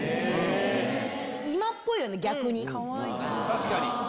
確かに。